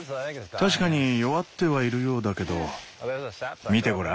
確かに弱ってはいるようだけど見てごらん。